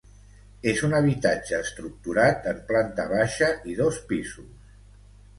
És un habitatge estructurat en planta baixa i dos pisos.